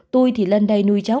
tôi thì lên đây nuôi cháu